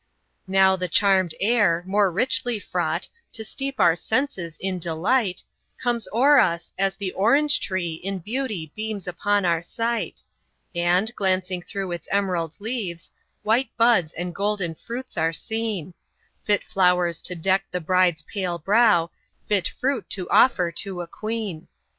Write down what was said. Now the charmed air, more richly fraught, To steep our senses in delight, Comes o'er us, as the ORANGE TREE In beauty beams upon our sight; And, glancing through its emerald leaves, White buds and golden fruits are seen; Fit flowers to deck the bride's pale brow, Fit fruit to offer to a queen.